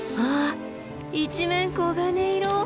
一面黄金色！